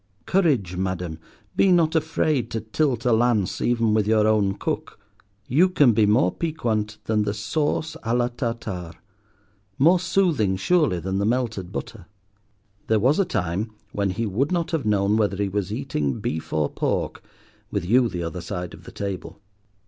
Courage, Madam, be not afraid to tilt a lance even with your own cook. You can be more piquant than the sauce à la Tartare, more soothing surely than the melted butter. There was a time when he would not have known whether he was eating beef or pork with you the other side of the table.